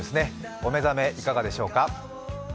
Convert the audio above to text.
お目覚めいかがでしょうか？